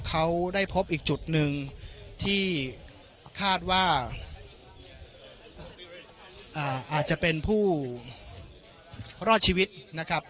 เขาได้พบอีกจุดหนึ่งที่คาดว่าอาจจะเป็นผู้รอดชีวิตนะครับ